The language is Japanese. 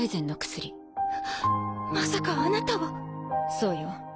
まさかあなたはそうよ